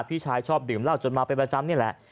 พี่ชายชอบดื่มเหล้าจนมาเป็นประจำนี่แหละ